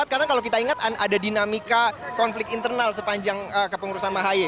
karena kalau kita ingat ada dinamika konflik internal sepanjang kepengurusan mas haye